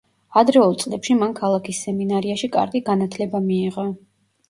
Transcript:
ადრეულ წლებში მან ქალაქის სემინარიაში კარგი განათლება მიიღო.